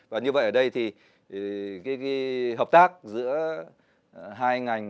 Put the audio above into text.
và như vậy ở đây thì hợp tác giữa hai ngành